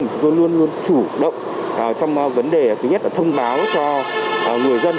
chúng tôi luôn luôn chủ động trong vấn đề thứ nhất là thông báo cho người dân